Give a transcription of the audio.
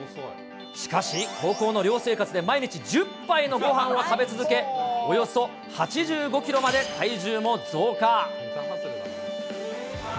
しかし高校の寮生活で毎日１０杯のごはんを食べ続け、およそ８５キロまで体重も増加。